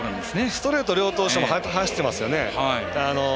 ストレート、両投手とも走ってますよね。